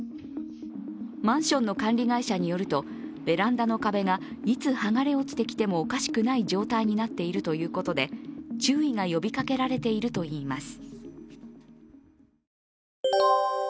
マンションの管理会社によると、ベランダの壁がいつ剥がれ落ちてきてもおかしくない状態になっているということで、注意が呼びかけられているといいます。